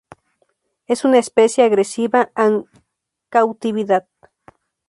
Es una especie agresiva en cautividad.